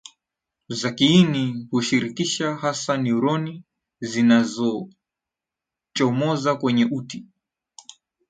za kiini hushirikisha hasa neuroni zinazochomozakwenye uti